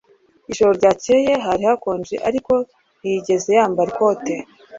Ijoro ryakeye hari hakonje ariko ntiyigeze yambara ikote